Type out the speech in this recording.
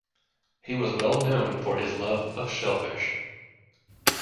He was well known for his love of shellfish.